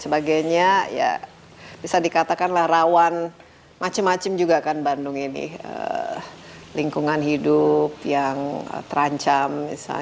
sebagainya ya bisa dikatakanlah rawan macam macam juga kan bandung ini lingkungan hidup yang terancam